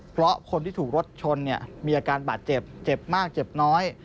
เพราะคนที่ถูกรถชนเนี่ยมีอาการบาดเจ็บเจ็บมากเจ็บน้อย